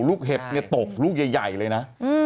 เห็บตกลูกใหญ่เลยนะ